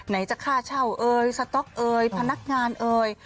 จะค่าเช่าเอ่ยสต๊อกเอยพนักงานเอ่ย